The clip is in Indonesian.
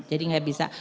jadi gak bisa